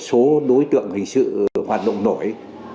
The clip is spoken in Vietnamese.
số đối tượng hình sự hoạt động nổi